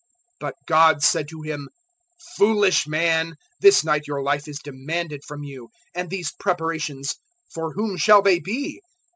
012:020 "But God said to him, "`Foolish man, this night your life is demanded from you; and these preparations for whom shall they be?'